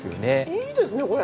いいですねこれ！